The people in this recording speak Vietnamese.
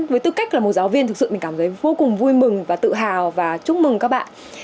với tư cách là một giáo viên thực sự mình cảm thấy vô cùng vui mừng và tự hào và chúc mừng các bạn